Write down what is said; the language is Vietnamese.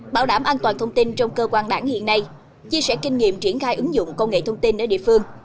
bảo đảm an toàn thông tin trong cơ quan đảng hiện nay chia sẻ kinh nghiệm triển khai ứng dụng công nghệ thông tin ở địa phương